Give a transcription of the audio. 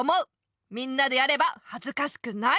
みんなでやればはずかしくない！